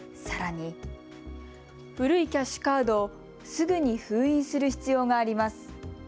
さらに、古いキャッシュカードをすぐに封印する必要があります。